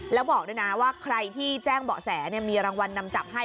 แล้วบอกด้วยนะว่าใครที่แจ้งเบาะแสมีรางวัลนำจับให้